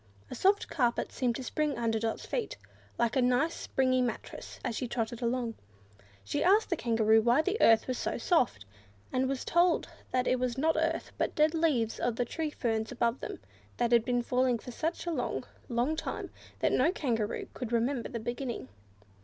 A soft carpet seemed to spring under Dot's feet, like a nice springy mattress, as she trotted along. She asked the Kangaroo why the earth was so soft, and was told that it was not earth, but the dead leaves of the tree ferns above them, that had been falling for such a long, long time, that no Kangaroo could remember the beginning.